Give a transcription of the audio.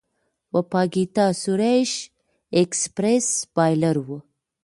وپاګیتا سريش ایکسپریس بالر وه.